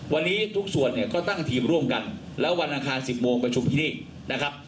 วันนี้ทุกส่วนเนี่ยก็ตั้งทีมร่วมกันแล้ววันอังคาร๑๐โมงประชุมที่นี่นะครับ